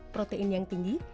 protein yang tinggi